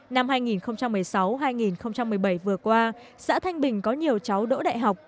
năm hai nghìn một mươi sáu hai nghìn một mươi bảy vừa qua xã thanh bình có nhiều cháu đỗ đại học